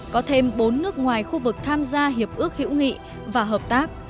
có thêm bốn nước ngoài khu vực tham gia hiệp ước hữu nghị và hợp tác